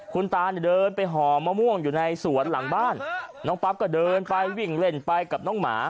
คุณตาเนี่ยเดินไปห่อมะม่วงอยู่ในสวนหลังบ้านน้องปั๊บก็เดินไปวิ่งเล่นไปกับน้องหมา